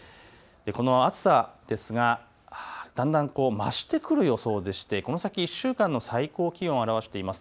この暑さですが、だんだん増してくる予想でしてこの先１週間の最高気温を表しています。